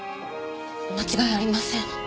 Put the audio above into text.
間違いありません。